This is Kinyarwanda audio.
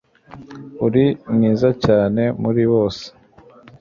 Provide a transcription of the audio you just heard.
uri mwiza cyane muri bose